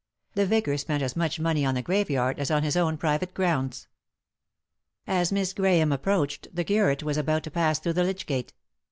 The vicar spent as much money on the graveyard as on bis own private grounds. As Miss Grahame approached the curate was about to pass through the lych gate.